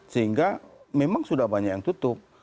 sehingga memang sudah banyak yang tutup